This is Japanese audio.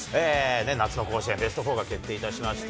夏の甲子園、ベスト４が決定いたしました。